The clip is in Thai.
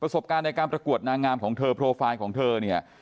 สบการณ์ในการประกวดนางงามของเธอโปรไฟล์ของเธอเนี่ย